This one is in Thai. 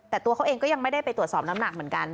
แต่ตัวเขาเองก็ยังไม่ได้ไปตรวจสอบน้ำหนักเหมือนกัน